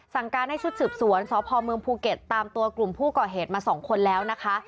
สั่งการให้ชุดสืบสวนสพเมืองภูเก็ตตามตัวกลุ่มผู้ก่อเหตุมา๒คนแล้วนะคะ